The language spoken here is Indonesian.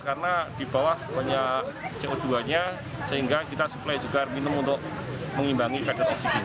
karena di bawah punya co dua nya sehingga kita supply juga minum untuk mengimbangi kadar oksigen